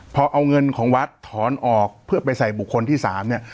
พอเอาเงินของวัดถอนออกเพื่อไปใส่บุคคลที่๓เนี่ย